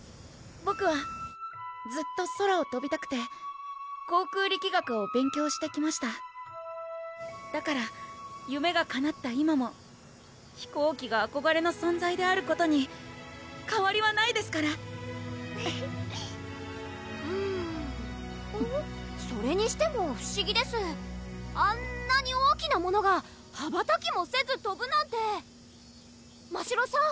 ボクはずっと空をとびたくて航空力学を勉強してきましただから夢がかなった今も飛行機があこがれの存在であることにかわりはないですからうんそれにしても不思議ですあんなに大きなものが羽ばたきもせずとぶなんてましろさん